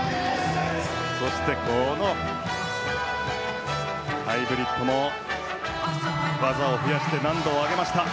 そしてこのハイブリッドも技を増やして難度を上げました。